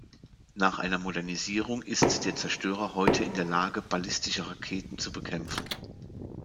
Nach einer Modernisierung ist der Zerstörer heute in der Lage ballistische Raketen zu bekämpfen.